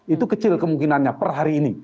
itu kecil kemungkinannya per hari ini